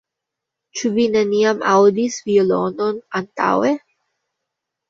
Ĉu vi neniam aŭdis violonon antaŭe?